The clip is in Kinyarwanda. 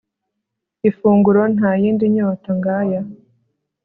ifunguro, nta yindi nyota ng'aya